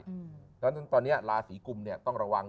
เพราะฉะนั้นตอนนี้ราศีกุมเนี่ยต้องระวัง